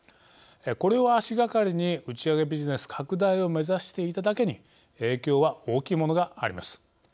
これを足がかりに打ち上げビジネス拡大を目指していただけに影響は大きいものがあります。